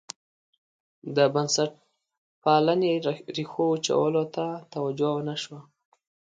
د بنسټپالنې ریښو وچولو ته توجه ونه شوه.